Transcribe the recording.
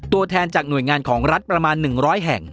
ตัวแทนจากหน่วยงานของรัฐประมาณ๑๐๐แห่ง